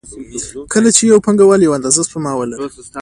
کله چې یو پانګوال یوه اندازه سپما ولري